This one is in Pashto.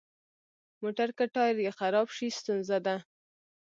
موټر که ټایر یې خراب شي، ستونزه ده.